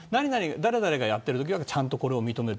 誰々がやってるときはちゃんと認める。